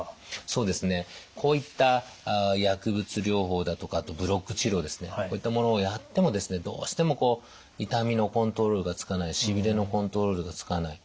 そうですねこういった薬物療法だとかあとブロック治療ですねこういったものをやってもですねどうしても痛みのコントロールがつかないしびれのコントロールがつかない。